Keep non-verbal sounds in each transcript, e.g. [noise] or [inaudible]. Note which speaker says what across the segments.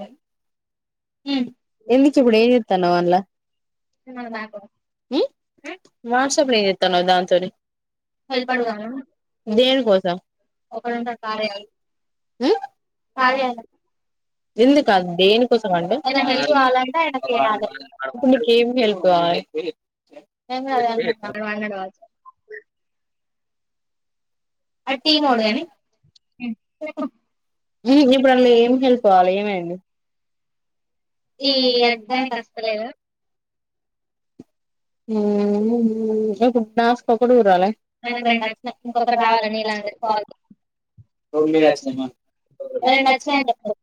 Speaker 1: ఆ ఎందుకు ఇప్పుడు ఏం చేత్తాన్నావ్ అండ్ల ఉ వాట్సాప్ లో ఏం చేత్తాన్నావ్ దాంతోని దేనికోసం ఉ ఎందు కంటే దేనికోసం అంటే ఇప్పుడు నీకేమి హెల్ప్ కావాలి [inaudible]
Speaker 2: [unintelligible]
Speaker 1: ఇప్పుడు అల్ల ఏమి హెల్ప్ కావాలి ఏమైంది
Speaker 2: ఈ అడ్డానికి వస్తలేద
Speaker 1: హ [unintelligible]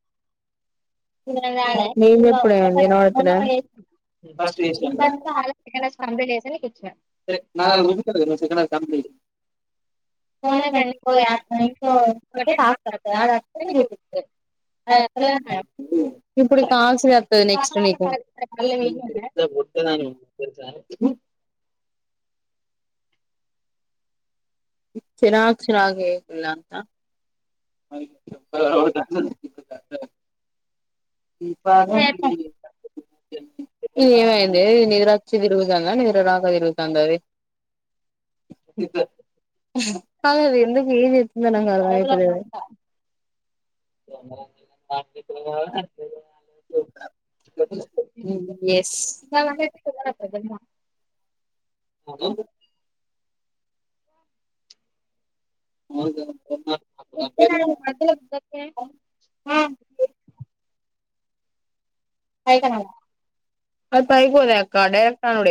Speaker 1: నప్పుడతు [unintelligible]
Speaker 2: ఇక్కడ కంప్లీట్ చేస్తే నీకు ఇచ్చిన
Speaker 1: ఫోన్ యాప్ పోతే తాక్తే అత్తది అది అత్తే నీకు చూపిత్తది ఇప్పుడు ఈ కాల్స్ వస్తది నెక్ట్ నీకూ
Speaker 2: సరే
Speaker 1: చిరాగ్ స్ట్రాంగ్ ఇది అంత
Speaker 2: మ
Speaker 1: ఏమైందే నిద్ర అచ్చింది ఈరోజు అన్న నేను రాక తిరుగుతుంది అది అ ఎందుకు ఎం జేతుందో నాకు అర్థం అయితలేదు స్
Speaker 2: మటం
Speaker 1: ఆ అయితమయి అవి పై పోదా డైరెక్ట్ అడ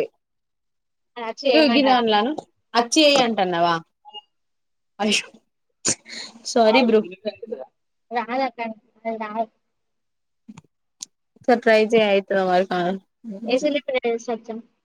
Speaker 1: అను అచ్చియి అంటన్నావా అచ్యో సారీ బ్ర
Speaker 2: దాయి
Speaker 1: సర్ప్రైజేయి అయితారు ఆ
Speaker 2: ఏస లే సతం